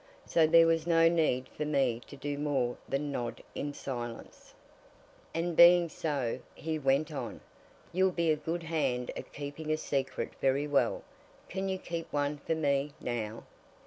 So there was no need for me to do more than nod in silence. "And being so," he went on, "you'll be a good hand at keeping a secret very well. Can you keep one for me, now?"